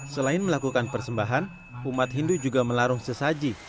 selain melakukan persembahan umat hindu juga melarung sesaji